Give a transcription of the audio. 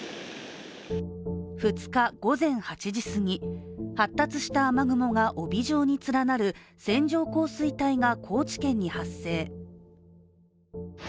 ２日午前８時すぎ、発達した雨雲が帯状に連なる線状降水帯が高知県に発生。